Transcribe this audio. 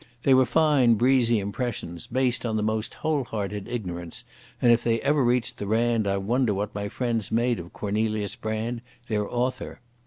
They were fine breezy impressions, based on the most whole hearted ignorance, and if they ever reached the Rand I wonder what my friends there made of Cornelius Brand, their author.